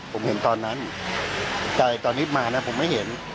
ผมเห็นตอนนั้นแต่ตอนที่มานะผมไม่เห็น